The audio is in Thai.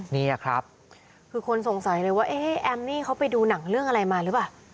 นี่ครับคือคนสงสัยเลยว่าเอ๊ะแอมนี่เขาไปดูหนังเรื่องอะไรมาหรือเปล่า